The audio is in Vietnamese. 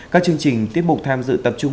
các chương trình tiếp mục tham dự tập trung